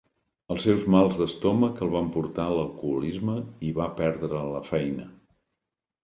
Els seus mals d'estómac el van portar a l'alcoholisme i va perdre la feina.